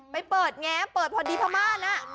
ไปเปิดแง๊บเปิดพอดีพรรมาศน่ะ